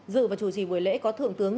dự và chủ trì buổi lễ có thượng tướng